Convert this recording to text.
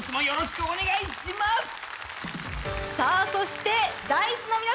よろしくお願いします！